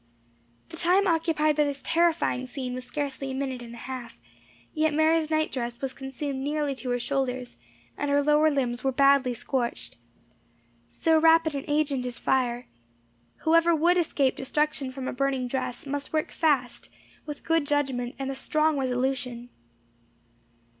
The time occupied by this terrifying scene was scarcely a minute and a half, yet Mary's night dress was consumed nearly to her shoulders, and her lower limbs were badly scorched. So rapid an agent is fire. Whoever would escape destruction from a burning dress, must work fast, with good judgment and a strong resolution.